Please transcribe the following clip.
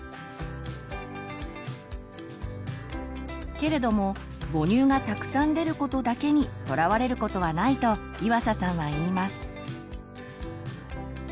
けれども母乳がたくさん出ることだけにとらわれることはないと岩佐さんは言います。